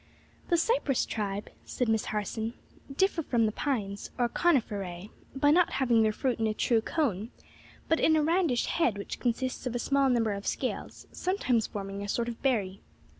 "The cypress tribe," said Miss Harson, "differ from the pines, or Coniferae, by not having their fruit in a true cone, but in a roundish head which consists of a small number of scales, sometimes forming a sort of berry.